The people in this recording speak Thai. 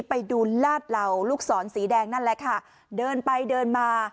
ไปดูลาดเหล่าลูกศรสีแดงนั่นแหละค่ะเดินไปเดินมา